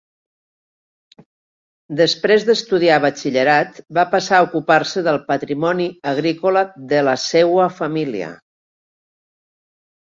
Després d'estudiar batxillerat va passar a ocupar-se del patrimoni agrícola de la seua família.